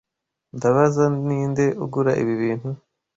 Ndabaza ninde ugura ibi bintu.